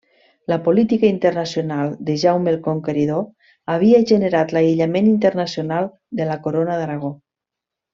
La política internacional de Jaume el Conqueridor havia generat l'aïllament internacional de la corona d'Aragó.